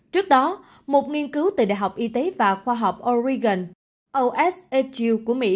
trước đó một nghiên cứu từ đại học y tế và khoa học oregon oshu của mỹ